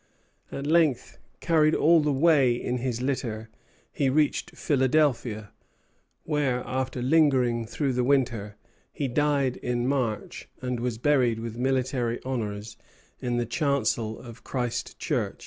At length, carried all the way in his litter, he reached Philadelphia, where, after lingering through the winter, he died in March, and was buried with military honors in the chancel of Christ Church.